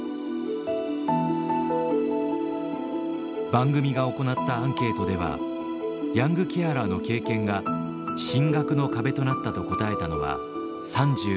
番組が行ったアンケートではヤングケアラーの経験が進学の壁となったと答えたのは３６．２％。